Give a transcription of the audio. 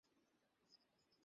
ক্ষমা করে দিন, ভাই।